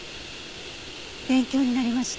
勉強になりました。